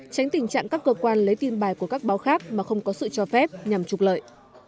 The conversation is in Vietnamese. tránh tình trạng các cơ quan lấy tin bài của các báo khác mà không có sự cho phép nhằm trục lợi